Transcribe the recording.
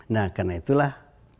nah karena itulah